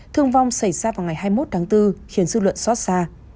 thương vong xảy ra vào ngày hai mươi một tháng bốn khiến dư luận xót xa